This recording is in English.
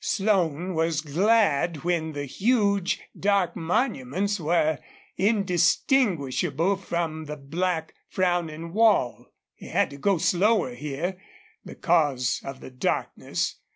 Slone was glad when the huge, dark monuments were indistinguishable from the black, frowning wall. He had to go slower here, because of the darkness.